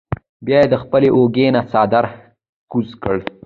بیا ئې د خپلې اوږې نه څادر کوز کړۀ ـ